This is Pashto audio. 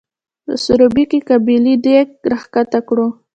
په سروبي کې قابلي دیګ راښکته کړو.